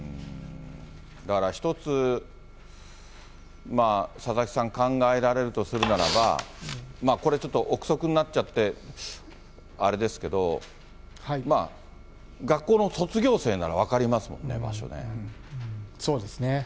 だから一つ、佐々木さん、考えられるとするならば、これちょっと臆測になっちゃってあれですけど、学校の卒業生なら分かりますもんね、そうですね。